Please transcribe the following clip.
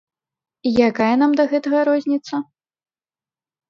Якая нам да гэтага розніца?